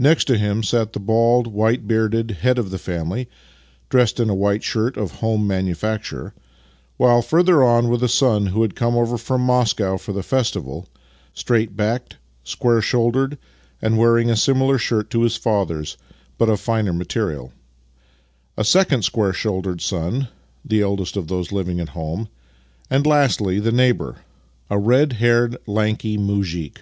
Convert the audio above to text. Next to him sat the bald, white bearded head of the family (dressed in a white shirt of home manufacture), while, further on, were the son who had come over from Moscow for the festival (straight backed, square shouldered, and wearing a similar shirt to his father's, but of finer material), a second square shouldered son (the eldest of those living at home), and, lastly, the neighbour — a red haired, lanky muzhik.